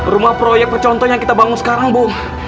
rumah proyek percontohan yang kita bangun sekarang bu